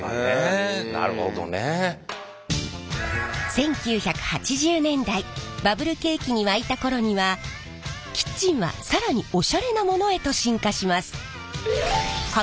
１９８０年代バブル景気に沸いた頃にはキッチンは更にオシャレなものへと進化します。